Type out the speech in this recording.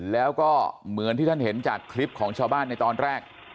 แล้วก็เหมือนที่ท่านเห็นจากคลิปของชาวบ้านในตอนแรก